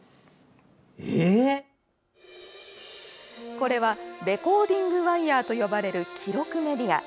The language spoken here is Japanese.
これはレコーディングワイヤーと呼ばれる記録メディア。